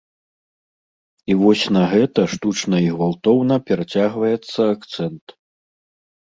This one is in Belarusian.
І вось на гэта штучна і гвалтоўна перацягваецца акцэнт.